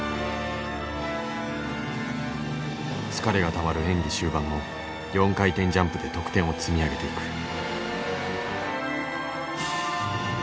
疲れがたまる演技終盤も４回転ジャンプで得点を積み上げていく。